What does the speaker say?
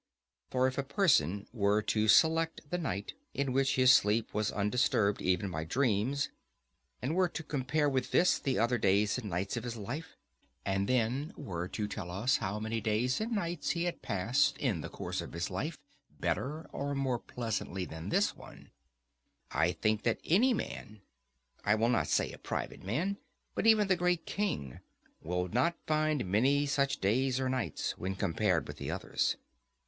For if a person were to select the night in which his sleep was undisturbed even by dreams, and were to compare with this the other days and nights of his life, and then were to tell us how many days and nights he had passed in the course of his life better and more pleasantly than this one, I think that any man, I will not say a private man, but even the great king will not find many such days or nights, when compared with the others.